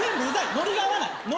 ノリが合わない。